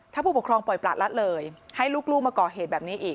ถ้าผู้ปกครองปล่อยประละเลยให้ลูกมาก่อเหตุแบบนี้อีก